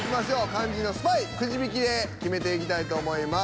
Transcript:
肝心のスパイくじ引きで決めていきたいと思います。